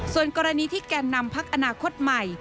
ส่วนกรณีที่แก่นำพักอนาคตใหม่